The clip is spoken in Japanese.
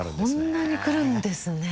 こんなに来るんですね。